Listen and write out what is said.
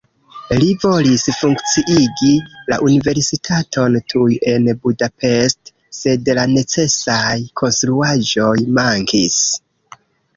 Li volis funkciigi la universitaton tuj en Buda-Pest, sed la necesaj konstruaĵoj mankis.